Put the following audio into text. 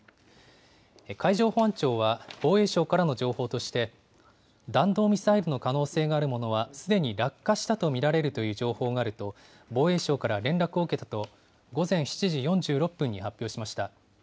海上保安庁は防衛省からの情報として、弾道ミサイルの可能性があるものはすでに落下したと見られるという情報があると防衛省から連絡を受けたと、午前７時４６分に発表しました。